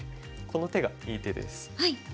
この手がいい手です。